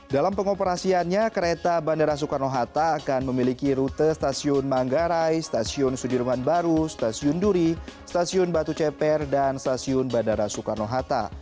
dalam pengoperasiannya kereta bandara soekarno hatta akan memiliki rute stasiun manggarai stasiun sudirman baru stasiun duri stasiun batu ceper dan stasiun bandara soekarno hatta